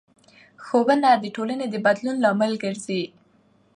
ښوونه د ټولنې د بدلون لامل ګرځي